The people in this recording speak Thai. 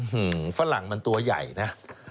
ฝรั่งมันตัวใหญ่นะ